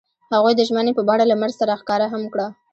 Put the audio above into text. هغوی د ژمنې په بڼه لمر سره ښکاره هم کړه.